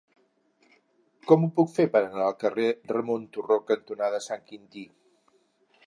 Com ho puc fer per anar al carrer Ramon Turró cantonada Sant Quintí?